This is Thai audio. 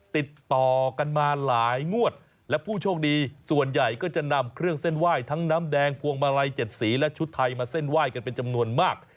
ติดต่อกันมาหลายงวดและผู้โชคดีส่วนใหญ่ก็จะนำเครื่องเส้นไหว้ทั้งน้ำแดงพวงมาลัย๗สีและชุดไทยมาเส้นไหว้กันเป็นจำนวนมาก